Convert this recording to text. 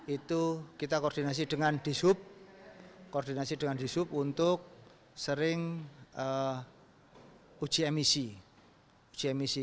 itu kita koordinasi dengan dishub koordinasi dengan dishub untuk sering uji emisi emisi